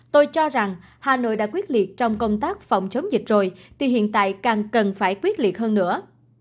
tôi cho rằng hà nội đã quyết liệt trong công tác phòng chống dịch rồi thì hiện tại càng cần phải quyết liệt hơn nữa